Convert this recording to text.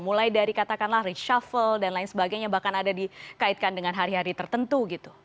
mulai dari katakanlah reshuffle dan lain sebagainya bahkan ada dikaitkan dengan hari hari tertentu gitu